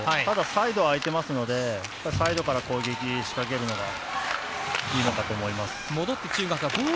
ただ、サイド空いてますのでサイドから攻撃しかけるのがいいのかと思います。